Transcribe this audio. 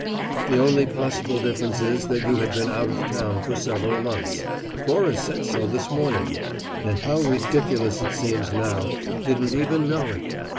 The only possible difference is that you had been out of town for several months Cora said so this morning and how ridiculous it seems now, didn't even know it!